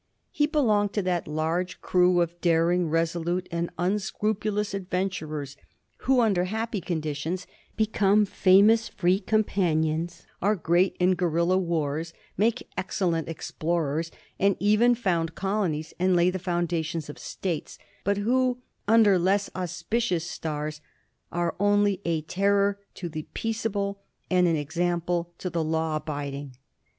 He belonged to that large crew of daring, resolute, and unscrupulous adventurers who, under happy conditions, become famous free com panions, are great in gueiilla warSj make excellent ex plorers, and even found colonies and lay the foundations of States, but who, under less auspicious stars, are only a terror to the peaceable and an example to the law abid ing.